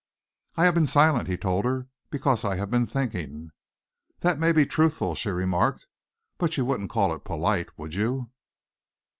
"I have been silent," he told her, "because I have been thinking." "That may be truthful," she remarked, "but you wouldn't call it polite, would you?"